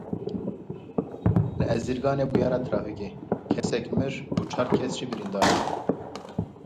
Li Erzînganê bûyera trafîkê, kesek mir û çar kes jî birîndar bûn.